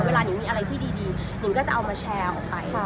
เวลาหนึ่งมีอะไรที่ดีหนึ่งก็จะเอามาแชร์ออกไป